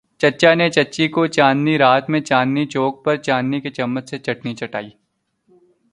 چچا نے چچی کو چاندنی رات میں چاندنی چوک پر چاندی کے چمچ سے چٹنی چٹائ۔